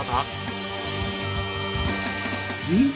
うん？